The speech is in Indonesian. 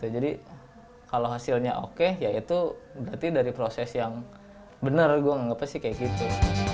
jadi kalo hasilnya oke ya itu berarti dari proses yang benar gue anggapnya sih kayak gitu